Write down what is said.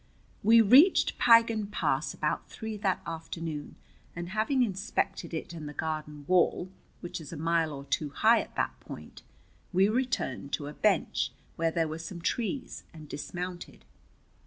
We reached Piegan Pass about three that afternoon, and having inspected it and the Garden Wall, which is a mile or two high at that point, we returned to a "bench" where there were some trees, and dismounted.